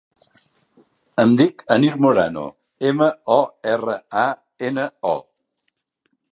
Em dic Anir Morano: ema, o, erra, a, ena, o.